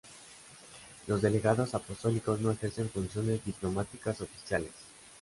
Los delegados apostólicos no ejercen funciones diplomáticas oficiales.